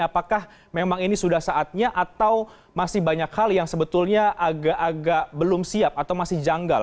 apakah memang ini sudah saatnya atau masih banyak hal yang sebetulnya agak agak belum siap atau masih janggal